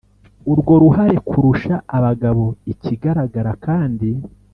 Urwo ruhare kurusha abagabo ikigaragara kandi